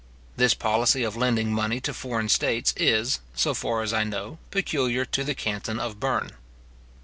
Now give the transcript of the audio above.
This policy of lending money to foreign states is, so far as I know peculiar to the canton of Berne.